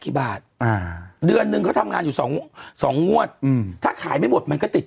กี่บาทอ่าเดือนหนึ่งเขาทำงานอยู่สองสองงวดอืมถ้าขายไม่หมดมันก็ติด